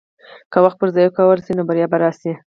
که وخت پر ځای وکارول شي، نو بریا به راشي.